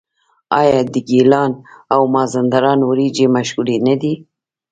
آیا د ګیلان او مازندران وریجې مشهورې نه دي؟